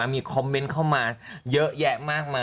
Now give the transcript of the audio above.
มีคอมเมนต์เข้ามาเยอะแยะมากมาย